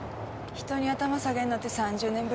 人に頭下げるのって３０年ぶりくらいだから。